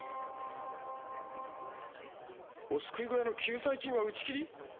お救い小屋の救済金は打ち切り！？